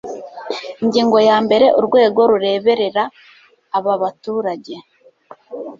ingingo ya mbere urwego rureberera ababaturage